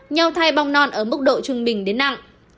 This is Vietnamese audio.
nho thai bong non ở mức độ trung bình đến nặng